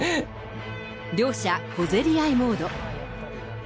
両者、小競り合いモード。